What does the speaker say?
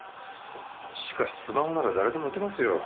しかしスマホなら誰でも打てますよ。